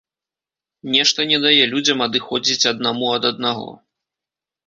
Нешта не дае людзям адыходзіць аднаму ад аднаго.